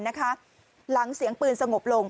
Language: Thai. ระกว่าเสียงปืนสงบลง